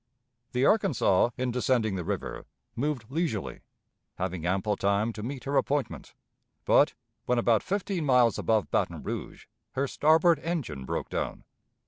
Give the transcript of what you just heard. The Arkansas in descending the river moved leisurely, having ample time to meet her appointment; but, when about fifteen miles above Baton Rouge, her starboard engine broke down.